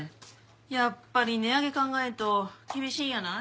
やっぱり値上げ考えんと厳しいんやない？